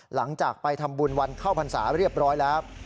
หลังจากไปทำบุญวันเข้าพรรษาเรียบร้อยแล้ว